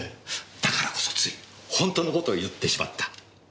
だからこそついホントのことを言ってしまった。